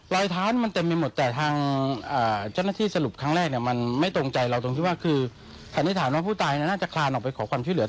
คันนี้ถามว่าผู้ตายน่าจะคลานออกไปเผาความชิ้นเหลือ